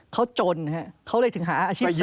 เขาจนเขาเลยถึงหาอาชีพ